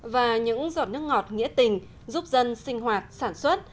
và những giọt nước ngọt nghĩa tình giúp dân sinh hoạt sản xuất